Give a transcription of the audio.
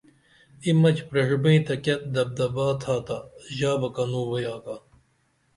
ای مچ پریڜبئی تہ کیہ دبدبا تھاتا ژابہ کنو بئی آگا